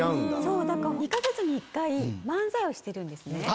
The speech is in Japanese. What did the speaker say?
そうだから２か月に１回漫才をしてるんですね。